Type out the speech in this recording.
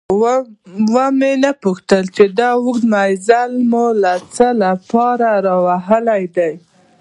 ومې نه پوښتل چې دا اوږد مزل مو د څه له پاره راوهلی دی؟